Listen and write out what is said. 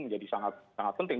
menjadi sangat penting